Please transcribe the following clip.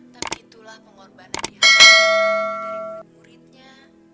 tapi itulah pengorbanan yang terjadi dari murid muridnya